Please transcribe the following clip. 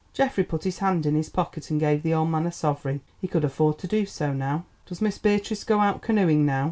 Geoffrey put his hand in his pocket and gave the old man a sovereign. He could afford to do so now. "Does Miss Beatrice go out canoeing now?"